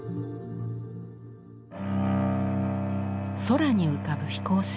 空に浮かぶ飛行船。